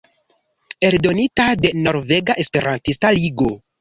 Eldonita de Norvega Esperantista Ligo.